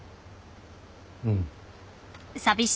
うん。